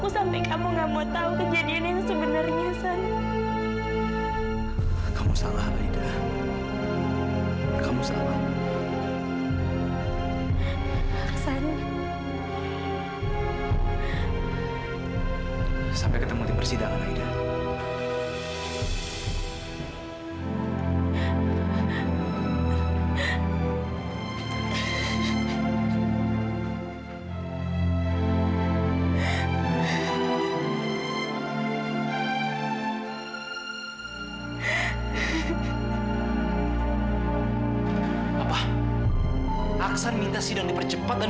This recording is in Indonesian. sampai jumpa di video selanjutnya